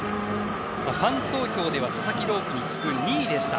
ファン投票では佐々木朗希に次ぐ２位でした。